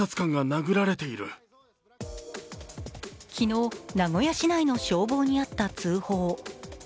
昨日、名古屋市内の消防にあった通報。